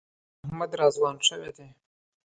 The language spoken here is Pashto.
احمد را ځوان شوی دی.